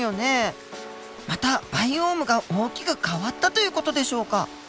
またバイオームが大きく変わったという事でしょうか？